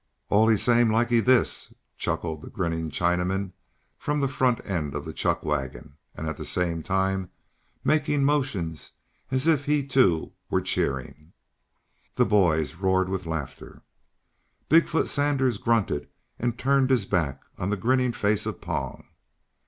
"Allee same likee this," chuckled the grinning Chinaman from the front end of the chuck wagon, at the same time making motions as if he, too, were cheering. The boys roared with laughter. Big foot Sanders grunted and turned his back on the grinning face of Pong.